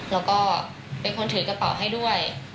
เธอก็ไม่มีรูปเผาให้ด้วย